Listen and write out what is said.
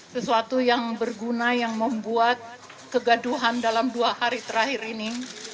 sesuatu yang berguna yang membuat kegaduhan dalam dua hari terakhir ini